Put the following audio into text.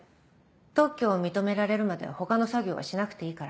特許を認められるまでは他の作業はしなくていいから。